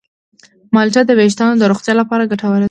مالټه د ویښتانو د روغتیا لپاره ګټوره ده.